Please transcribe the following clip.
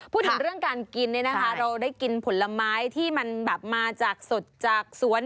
พูดถึงเรื่องการกินเราได้กินผลไม้ที่มันมาจากสดจากสวน